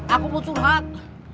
aku mau surhat